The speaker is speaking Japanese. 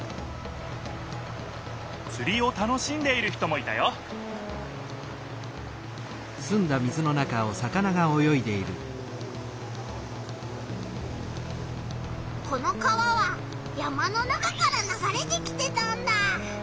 釣りを楽しんでいる人もいたよこの川は山の中からながれてきてたんだ。